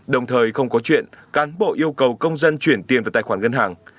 đồng thời không có chuyện cán bộ yêu cầu công dân chuyển tiền vào tài khoản ngân hàng